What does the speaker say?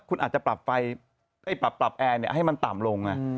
คุณอาจจะปรับไฟให้ปรับปรับแอร์เนี่ยให้มันต่ำลงอ่ะอืม